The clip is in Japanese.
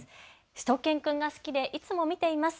しゅと犬くんが好きでいつも見ています。